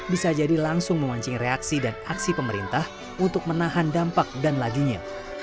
bisa jadi langsung memancing reaksi dan aksi pemerintah untuk menahan dampak dan lajunya